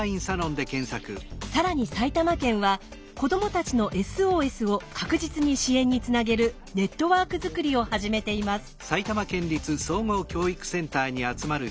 更に埼玉県は子どもたちのＳＯＳを確実に支援につなげるネットワークづくりを始めています。